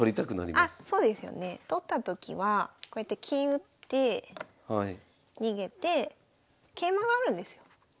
あそうですよね。取ったときはこうやって金打って逃げて桂馬があるんですよ。